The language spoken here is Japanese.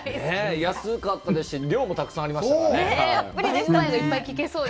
安かったですし、量もたくさんありましたね。